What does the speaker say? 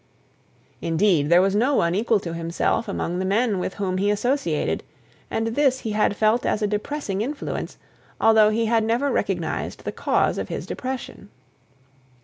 Indeed, there was no one equal to himself among the men with whom he associated, and this he had felt as a depressing influence, although he never recognized the cause of his depression.